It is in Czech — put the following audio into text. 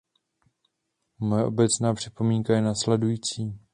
Moje obecná připomínka je následující.